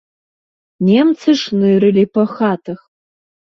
Немцы шнырылі па хатах.